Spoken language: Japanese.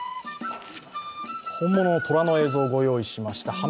本物のとらの映像、ご用意しました。